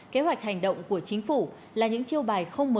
kế hoạch hành động của chính phủ là những chiêu bài không mở